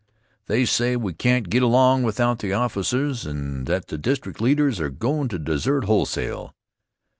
They say we can't get along without the offices and that the district leaders are going' to desert wholesale.